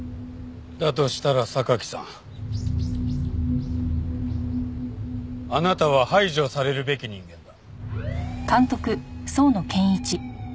だとしたら榊さんあなたは排除されるべき人間だ。